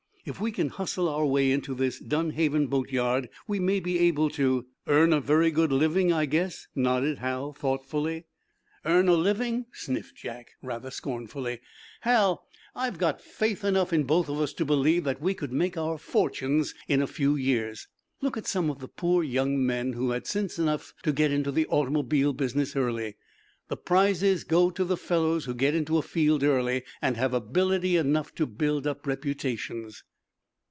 If we can hustle our way into this Dunhaven boatyard, we may be able to " "Earn a very good living, I guess," nodded Hal, thoughtfully. "Earn a living?" sniffed Jack, rather scornfully. "Hal, I've got faith enough in both of us to believe that we could make our fortunes in a few years. Look at some of the poor young men who had sense enough to get into the automobile business early. The prizes go to the fellows who get into a field early and have ability enough to build up reputations."